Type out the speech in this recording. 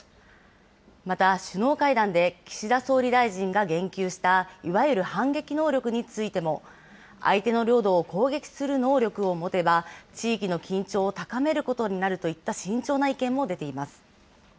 また、首脳会談で岸田総理大臣が言及したいわゆる反撃能力についても、相手の領土を攻撃する能力を持てば、地域の緊張を高めることになるといった慎重な意見も出ています。